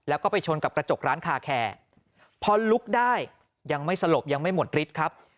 แล้วก็ไปชนกับกระจกร้านคาแคร์พอลุกได้ยังไม่สลบยังไม่หมดฤทธิ์ครับ